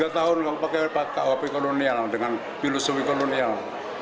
satu ratus tiga tahun kami pakai rkuhp kolonial dengan filosofi kolonial